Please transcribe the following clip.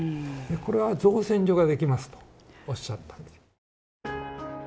「これは造船所ができます」とおっしゃったんで。